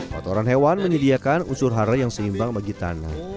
kotoran hewan menyediakan unsur hara yang seimbang bagi tanah